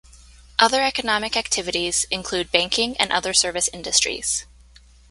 Other economic activities include banking and other service industries.